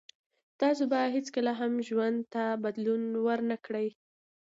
تاسو به هیڅکله هم ژوند ته بدلون ور نه کړی